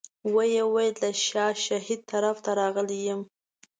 ویې ویل د شاه شهید طرف ته راغلی یم.